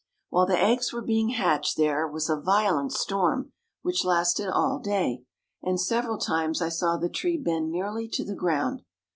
While the eggs were being hatched there was a violent storm which lasted all day, and several times I saw the tree bend nearly to the ground.